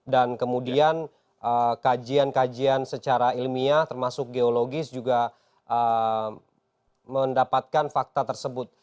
dan kemudian kajian kajian secara ilmiah termasuk geologis juga mendapatkan fakta tersebut